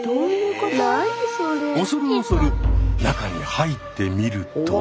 恐る恐る中に入ってみると。